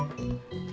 tunggu nanti soko